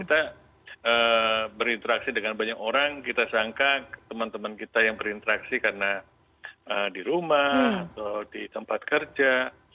kita berinteraksi dengan banyak orang kita sangka teman teman kita yang berinteraksi karena di rumah atau di tempat kerja